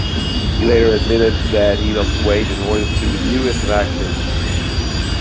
He later admitted that he lost weight in order to debut as an actor.